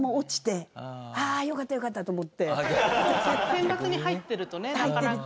選抜に入ってるとねなかなか。